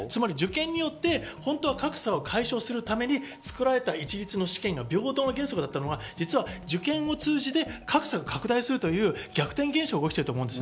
受験によって格差を解消するために作られた一律の試験が平等だったのが、受験を通じて格差が拡大するという逆転現象が起きている。